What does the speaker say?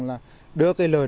đưa các lực lượng chất năng